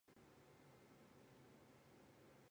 瑞士公民在公投中否决加入欧洲经济区。